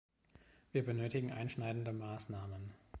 Wir benötigen einschneidende Maßnahmen.